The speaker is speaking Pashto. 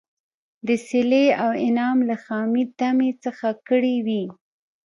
د صلې او انعام له خامي طمعي څخه کړي وي.